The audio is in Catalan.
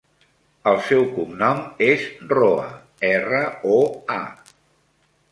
El seu cognom és Roa: erra, o, a.